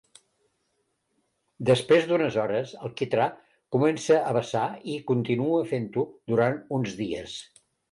Després d'unes hores, el quitrà comença a vessar, i continua fent-ho durant uns dies.